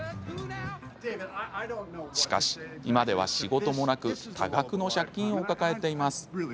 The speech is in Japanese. しかし、今では仕事もなく多額の借金を抱えています。